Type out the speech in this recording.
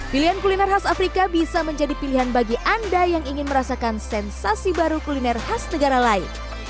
pilihan kuliner khas afrika bisa menjadi pilihan bagi anda yang ingin merasakan sensasi baru kuliner khas negara lain